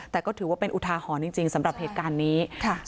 แต่ก็ถือว่าเป็นอุทาหรณ์จริงสำหรับเหตุการณ์นี้